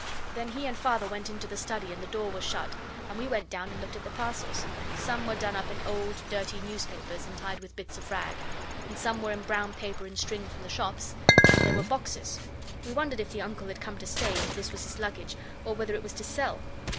Then he and Father went into the study and the door was shut and we went down and looked at the parcels. Some were done up in old, dirty newspapers, and tied with bits of rag, and some were in brown paper and string from the shops, and there were boxes. We wondered if the Uncle had come to stay and this was his luggage, or whether it was to sell.